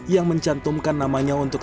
yang mencantumkan namanya untuk